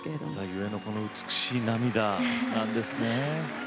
ゆえのこの美しい涙なんですね。